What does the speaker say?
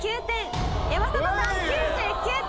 山里さん９９点。